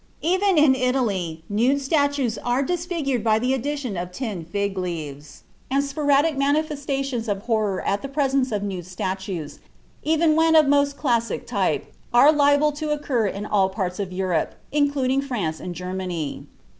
Even in Italy, nude statues are disfigured by the addition of tin fig leaves, and sporadic manifestations of horror at the presence of nude statues, even when of most classic type, are liable to occur in all parts of Europe, including France and Germany.